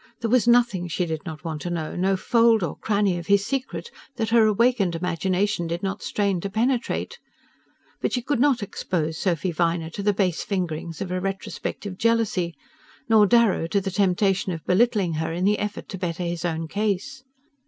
There was nothing she did not want to know, no fold or cranny of his secret that her awakened imagination did not strain to penetrate; but she could not expose Sophy Viner to the base fingerings of a retrospective jealousy, nor Darrow to the temptation of belittling her in the effort to better his own case.